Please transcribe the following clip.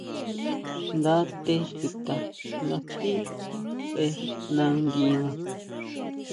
Nda té chuta nga sʼí sʼe nanguina.